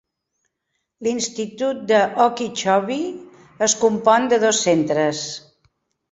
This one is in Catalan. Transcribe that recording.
L'institut d'Okeechobee es compon de dos centres.